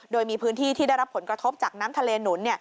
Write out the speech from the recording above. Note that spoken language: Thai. โดยมีพื้นที่ที่ได้รับผลกระทบจากน้ำทะเลหนุน